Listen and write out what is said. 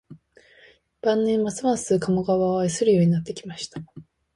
晩年、ますます加茂川を愛するようになってきました